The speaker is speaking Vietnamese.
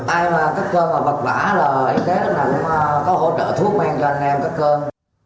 ai mà cắt cơn và vật vả là y tế cũng có hỗ trợ thuốc mang cho anh em cắt cơn